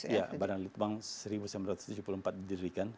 iya badan litbang seribu sembilan ratus tujuh puluh empat didirikan